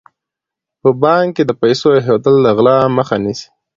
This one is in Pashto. په بانک کې د پیسو ایښودل له غلا مخه نیسي.